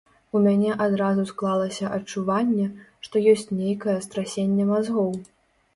У мяне адразу склалася адчуванне, што ёсць нейкае страсенне мазгоў.